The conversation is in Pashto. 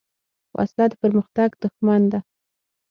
وسله د پرمختګ دښمن ده